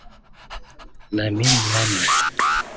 Lamin Manneh